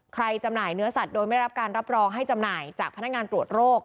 จำหน่ายเนื้อสัตว์โดยไม่ได้รับการรับรองให้จำหน่ายจากพนักงานตรวจโรค